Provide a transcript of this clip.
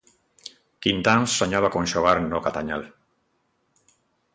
Quintáns soñaba con xogar no Gatañal.